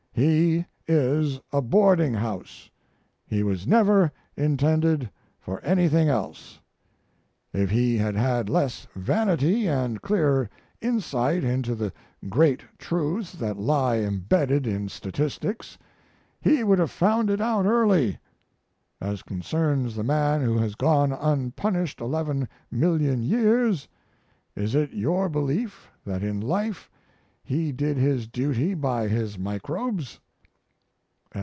He is a boarding house. He was never intended for anything else. If he had had less vanity and a clearer insight into the great truths that lie embedded in statistics he would have found it out early. As concerns the man who has gone unpunished eleven million years, is it your belief that in life he did his duty by his microbes?